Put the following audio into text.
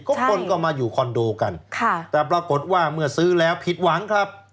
คนก็มาอยู่คอนโดกันค่ะแต่ปรากฏว่าเมื่อซื้อแล้วผิดหวังครับ